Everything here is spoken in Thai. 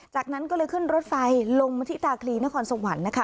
จากนั้นก็เลยขึ้นรถไฟลงมาที่ตาคลีนครสวรรค์นะคะ